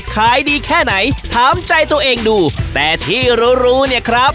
ขายดีแค่ไหนถามใจตัวเองดูแต่ที่รู้รู้เนี่ยครับ